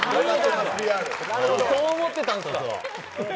そう思ってたんですか。